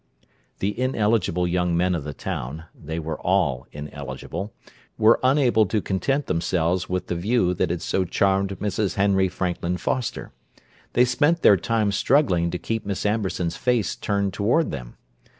The ineligible young men of the town (they were all ineligible) were unable to content themselves with the view that had so charmed Mrs. Henry Franklin Foster: they spent their time struggling to keep Miss Amberson's face turned toward them.